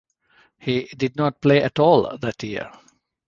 He did not play at all that year.